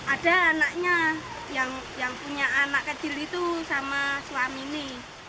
ada anaknya yang punya anak kecil itu sama suami ini